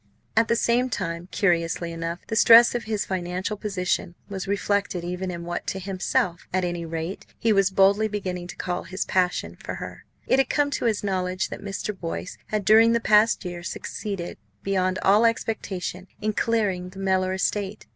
At the same time, curiously enough, the stress of his financial position was reflected even in what, to himself, at any rate, he was boldly beginning to call his "passion" for her. It had come to his knowledge that Mr. Boyce had during the past year succeeded beyond all expectation in clearing the Mellor estate.